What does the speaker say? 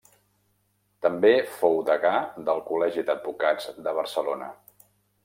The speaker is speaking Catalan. També fou degà del Col·legi d'Advocats de Barcelona.